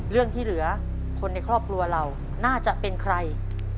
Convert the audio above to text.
เรื่องที่เหลือคนในครอบครัวเราน่าจะเป็นใคร